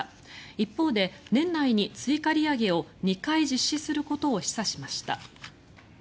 一方で年内に追加利上げを２回実施することを示唆しました。